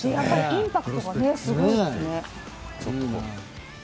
インパクトがすごいですね。